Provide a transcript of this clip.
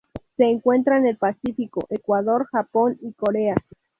Se encuentra en el Pacífico: Ecuador, Japón y Corea.